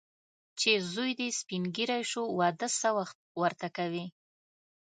چې زوی دې سپین ږیری شو، واده څه وخت ورته کوې.